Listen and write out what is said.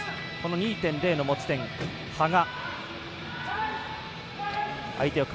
２．０の持ち点の羽賀。